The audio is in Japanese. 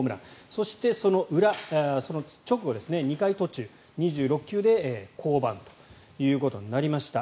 そして、その直後、２回途中２６球で降板ということになりました。